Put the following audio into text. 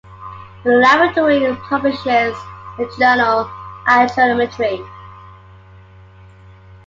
The Laboratory publishes the journal "Archaeometry".